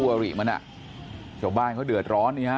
คู่อริมันน่ะช่วงบ้านก็เดือดร้อนเนี่ยฮะ